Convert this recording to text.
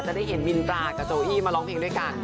ได้เห็นมินตรากับโจอี้มาร้องเพลงด้วยกัน